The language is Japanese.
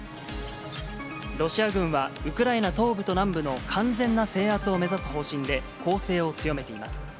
ロシア軍は、ウクライナ東部と南部の完全な制圧を目指す方針で、攻勢を強めています。